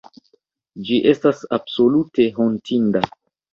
Ĝi estas absolute hontinda.